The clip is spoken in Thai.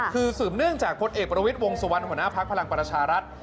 คือสืบเนื่องจากพลเอกประวิทย์วงสุวรรณหัวหน้าพักพลังประชารัฐ